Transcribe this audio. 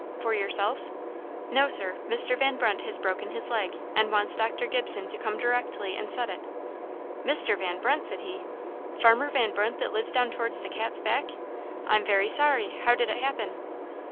"For yourself?" "No, Sir; Mr. Van Brunt has broken his leg, and wants Dr. Gibson to come directly and set it." "Mr. Van Brunt!" said he "Farmer Van Brunt that lives down towards the Cat's Back? I'm very sorry! How did it happen?"